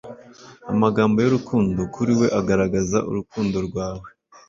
Amagambo y'urukundo kuri we agaragaza urukundo rwawe